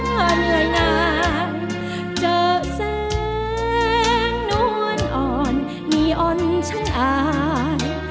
นอนละงายเจอแสงนวลอ่อนนี่อ่อนชั้นอาย